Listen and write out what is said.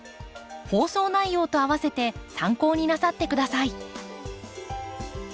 放送内容と併せて参考になさってください。